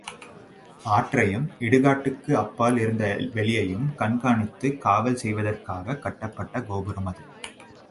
ஆற்றையும் இடுகாட்டுக்கப்பால் இருந்த வெளியையும் கண்காணித்துக் காவல் செய்வதற்காகக் கட்டப்பட்ட கோபுரம் அது.